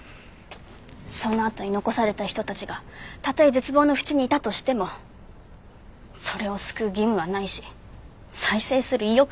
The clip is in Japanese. そのあとに残された人たちがたとえ絶望の淵にいたとしてもそれを救う義務はないし再生する意欲もない。